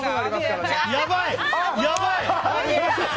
やばい！